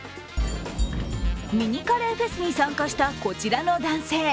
ミニカレーフェスに参加したこちらの男性。